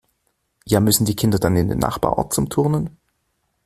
Ja müssen die Kinder dann in den Nachbarort zum Turnen?